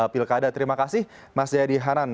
pilkada terima kasih mas jaya dihanan